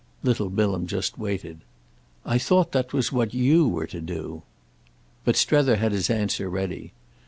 Little Bilham just waited. "I thought that was what you were to do." But Strether had his answer ready.